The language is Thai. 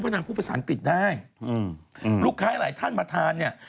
เพื่อนทางพูดภาษาอังกฤษได้ลูกค้าให้หลายท่านมาทานเนี่ย